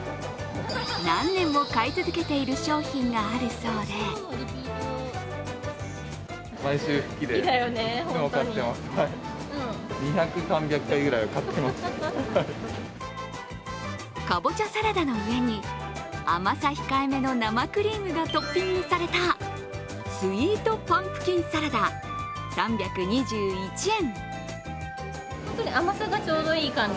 何年も買い続けている商品があるそうでかぼちゃサラダの上に甘さ控えめの生クリームがトッピングされたスイートパンプキンサラダ３２１円。